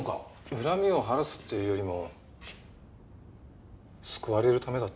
恨みを晴らすっていうよりも救われるためだったのかも。